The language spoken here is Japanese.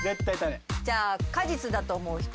じゃあ果実だと思う人？